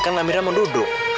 kan amira mau duduk